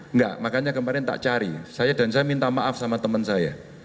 enggak makanya kemarin tak cari saya dan saya minta maaf sama teman saya